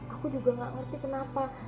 aku juga gak ngerti kenapa